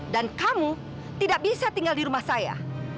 dan kamu tidak bisa tinggal di rumah saya